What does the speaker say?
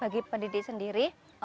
bagi pendidik sendiri